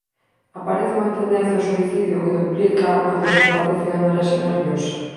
Aparece unha tendencia ao suicidio que duplica á dos que padecen anorexia nerviosa.